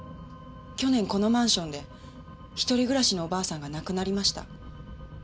去年このマンションで一人暮らしのおばあさんが亡くなりました。